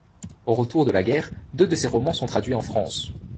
Au retour de la guerre, deux de ses romans sont traduits en France.